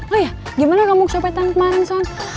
oh ya gimana kamu kecopetan kemarin son